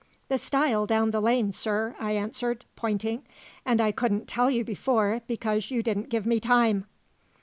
"The stile down the lane, sir," I answered, pointing. "And I couldn't tell you before because you didn't give me time."